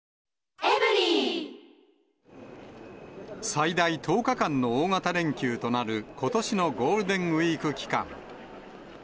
最大１０日間の大型連休となる、ことしのゴールデンウィーク期間。